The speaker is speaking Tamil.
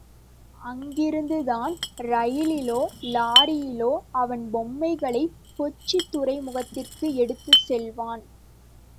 அங்கிருந்துதான் ரயிலிலோ லாரியிலோ அவன் பொம்மைகளைக் கொச்சித் துறை முகத்திற்கு எடுத்துச் செல்வான்.